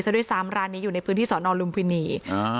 ด้วยซ้ำร้านนี้อยู่ในพื้นที่สอนอลุมพินีอ่า